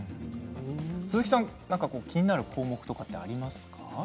鈴木さん、気になる項目とかありますか？